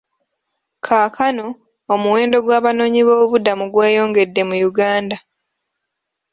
Kaakano, omuwendo gw'abanoonyiboobubudamu gweyongedde mu Uganda.